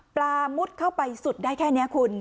ปลามุดเข้าไปสุดได้แค่เนี่ยคุณ